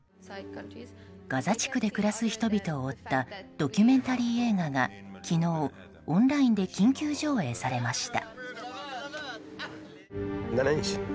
ガザ地区で暮らす人々を追ったドキュメンタリー映画が昨日、オンラインで緊急上映されました。